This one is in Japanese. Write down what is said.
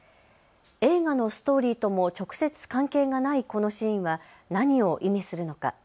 映画のストーリーとも直接関係がないこのシーンは何を意味するのか。